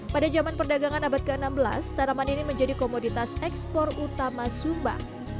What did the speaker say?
pada zaman perdagangan abad ke enam belas tanaman ini menjadi komoditas ekspor utama sumba